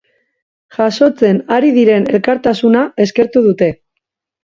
Jasotzen ari diren elkartasuna eskertu dute.